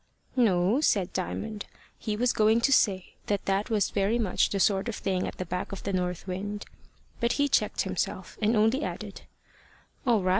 "No," said Diamond. He was going to say that that was very much the sort of thing at the back of the north wind; but he checked himself and only added, "All right.